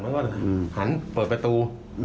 มันก็หันเปิดประตู